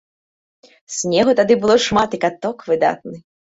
Снегу тады было шмат і каток выдатны.